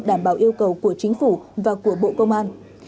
đảm bảo yêu cầu của chính phủ và của bộ công an